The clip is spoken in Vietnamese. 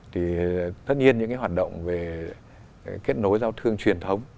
thì tất nhiên những cái hoạt động về kết nối giao thương truyền thống